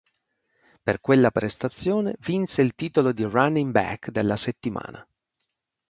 Per quella prestazione vinse il titolo di running back della settimana.